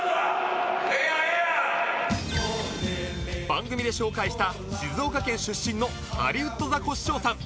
番組で紹介した静岡県出身のハリウッドザコシショウさん